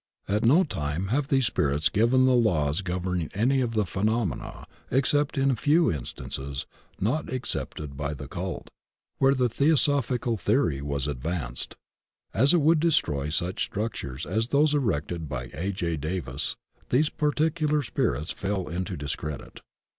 At no time have these spirits given the laws gov erning any of the phenomena, except in a few in stances, not accepted by the cult, where the theosoph ical theory was advanced. As it would destroy such structures as those erected by A. J. Davis, these par ticular spirits fell into discredit.